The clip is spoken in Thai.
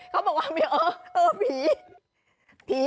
เขาบอกว่าเออผี